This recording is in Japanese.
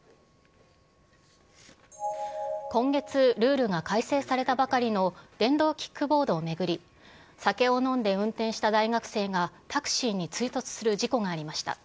今月、ルールが改正されたばかりの電動キックボードを巡り、酒を飲んで運転した大学生がタクシーに追突する事故がありました。